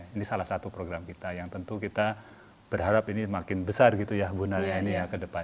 ini salah satu program kita yang tentu kita berharap ini makin besar gitu ya bu nadia ke depan